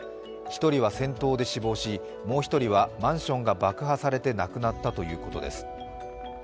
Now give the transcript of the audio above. １人は戦闘で死亡し、もう１人はマンションが爆破されて亡くなったということです。